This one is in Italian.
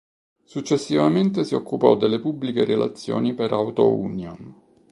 Successivamente si occupò delle pubbliche relazioni per Auto Union.